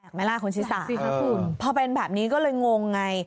แหลกไหมล่ะคุณศิษยาพอเป็นแบบนี้ก็เลยงงไง